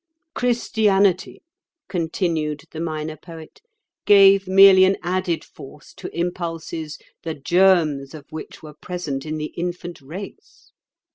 "Christianity," continued the Minor Poet, "gave merely an added force to impulses the germs of which were present in the infant race.